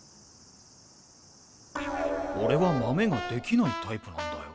俺はマメができないタイプなんだよ。